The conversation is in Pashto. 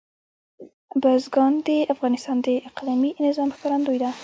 بزګان د افغانستان د اقلیمي نظام ښکارندوی ده.